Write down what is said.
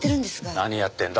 何やってんだ？